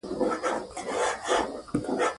لږ لږ ليکل مې شروع کړي دي